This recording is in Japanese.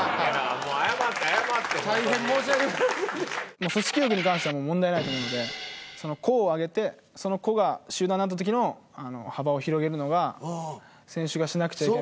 もう組織力に関しては問題ないと思うので個を上げてその個が集団になった時の幅を広げるのが選手がしなくちゃいけない。